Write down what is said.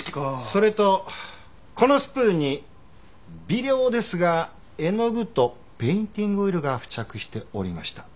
それとこのスプーンに微量ですが絵の具とペインティングオイルが付着しておりました。